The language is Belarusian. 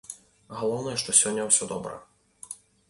Галоўнае, што сёння ўсё добра.